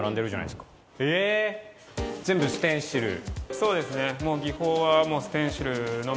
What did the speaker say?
そうですねもう。